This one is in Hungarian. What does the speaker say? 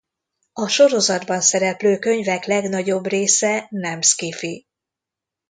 A sorozatban szereplő könyvek legnagyobb része nem sci-fi.